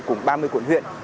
cùng ba mươi quận huyện